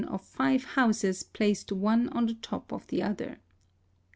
^ 78 HISTORY OF five houses placed one on the top of the other.